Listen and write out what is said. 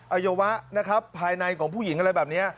วัยวะนะครับภายในของผู้หญิงอะไรแบบนี้